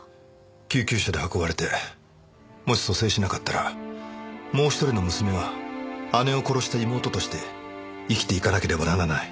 救急車で運ばれてもし蘇生しなかったらもう一人の娘は姉を殺した妹として生きていかなければならない。